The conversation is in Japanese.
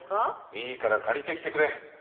いいから借りてきてくれ。